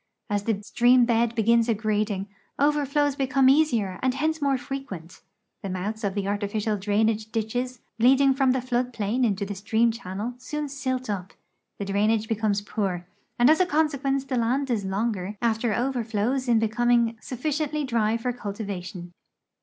As the stream bed begins aggrading, over flows become easier and hence more frequent; the mouths of the artificial drainage ditches leading from the flood |ilain into tbe stream channel soon silt up; the drainage becomes poor, and as a consequence the land is longer after overilows in be coming sufficientlv drv for cultivation.